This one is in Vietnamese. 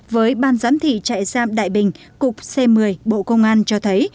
với ban giám thị trại giam đại bình cục c một mươi bộ công an cho thấy